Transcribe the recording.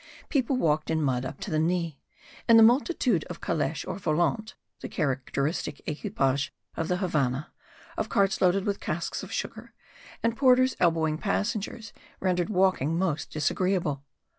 People walked in mud up to the knee; and the multitude of caleches or volantes (the characteristic equipage of the Havannah) of carts loaded with casks of sugar, and porters elbowing passengers, rendered walking most disagreeable.